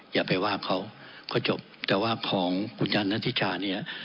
อย่าไปว่าเขาก็จบแต่ว่าของคุณยานทฤชานี่